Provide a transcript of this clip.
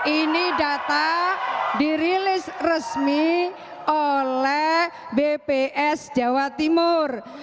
ini data dirilis resmi oleh bps jawa timur